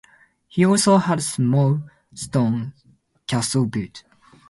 He also had a small stone castle built.